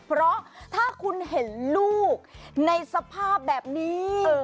เพราะถ้าคุณเห็นลูกในสภาพแบบนี้